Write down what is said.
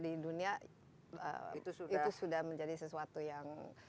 di dunia itu sudah menjadi sesuatu yang